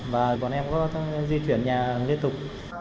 và bọn em có di chuyển nhà liên tục